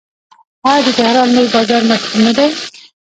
آیا د تهران لوی بازار مشهور نه دی؟